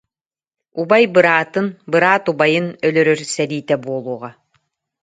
Убай быраатын, быраат убайын өлөрөр сэриитэ буолуоҕа